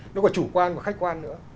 nó còn chủ quan và khách quan nữa